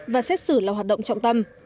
và xét xử là hoạt động trọng tâm